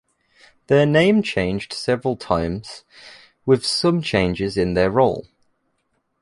Their name changed several times, with some changes in their role.